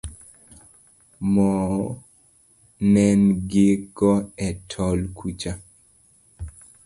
Mo nengni go e tol kucha.